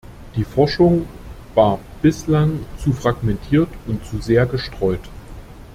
Die Forschung war bislang zu fragmentiert und zu sehr gestreut.